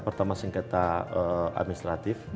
pertama sengketa administratif